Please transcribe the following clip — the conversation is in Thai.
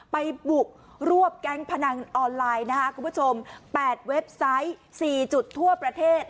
ไปบุกรวบแก๊งพนันออนไลน์นะคะคุณผู้ชม๘เว็บไซต์๔จุดทั่วประเทศ